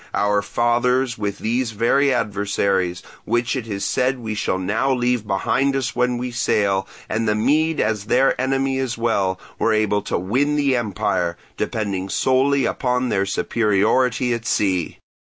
Our fathers with these very adversaries, which it is said we shall now leave behind us when we sail, and the Mede as their enemy as well, were able to win the empire, depending solely on their superiority at sea.